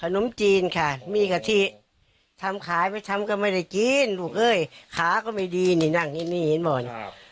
นมจีนค่ะมีกะทิทำขายไม่ทำก็ไม่ได้กินลูกเอ้ยขาก็ไม่ดีนี่นั่งที่นี่เห็นหมด